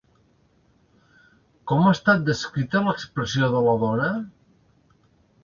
Com ha estat descrita l'expressió de la dona?